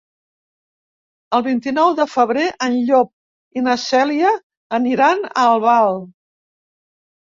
El vint-i-nou de febrer en Llop i na Cèlia aniran a Albal.